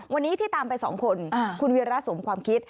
วันนี้ที่ตามไป๒คนคุณวีระสมความคิด